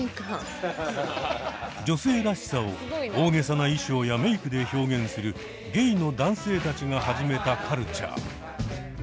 女性らしさを大げさな衣装やメイクで表現するゲイの男性たちが始めたカルチャー。